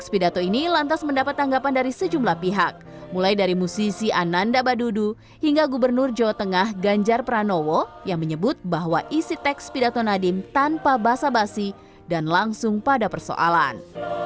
nadi juga memberi pesan kepada para pendidik di seluruh indonesia untuk melakukan perubahan kecil di dalam kelas